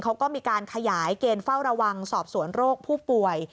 เขาก็มีการขยายเกณฑ์เฝ้าระวังสอบสวนโรคผู้ป่วย